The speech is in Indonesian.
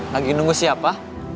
lagi nunggu siapa